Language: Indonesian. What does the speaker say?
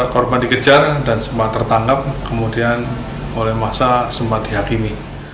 korban dikejar dan sempat tertangkap kemudian oleh masa sempat dihakimi